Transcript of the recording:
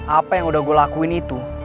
apa yang udah gue lakuin itu